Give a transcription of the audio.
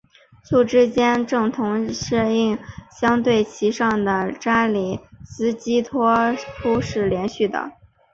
簇之间的正则映射相对其上的扎里斯基拓扑是连续的。